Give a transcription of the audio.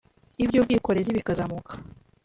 iby’ubwikorezi bikazamuka